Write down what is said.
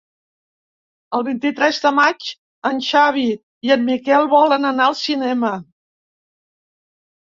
El vint-i-tres de maig en Xavi i en Miquel volen anar al cinema.